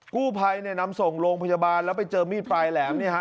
กู้ภัยเนี่ยนำส่งโรงพยาบาลแล้วไปเจอมีดปลายแหลมเนี่ยฮะ